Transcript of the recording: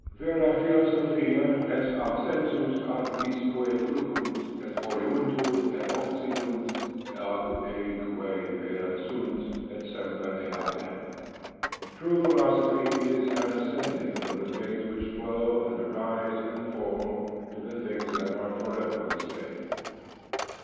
"Vera philosophia, est ascensus ab his quae fluunt, et oriuntur, et occidunt, ad ea quae vera sunt, et semper eadem": "True philosophy, is an ascending from the things which flow, and arise, and fall, to the things that are forever the same."